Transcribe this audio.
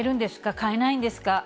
買えないんですか？